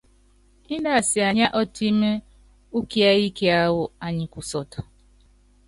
Índɛ asianyíá ɔtɛ́m ukiɛ́yi kiáwɔ, anyi kusɔt.